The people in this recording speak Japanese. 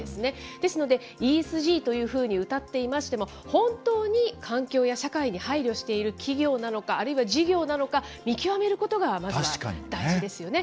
ですので、ＥＳＧというふうにうたっていましても、本当に環境や社会に配慮している企業なのか、あるいは事業なのか、見極めることがまずは大事ですよね。